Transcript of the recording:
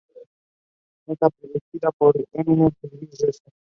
Está producida por Eminem y Luis Resto.